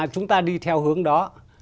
chúng ta đi theo hướng đó